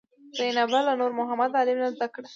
زینبه له نورمحمد عالم نه زده کړه.